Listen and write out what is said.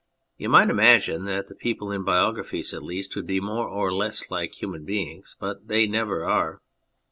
You might imagine that the people in biographies at least would be more or less like human beings but they never are.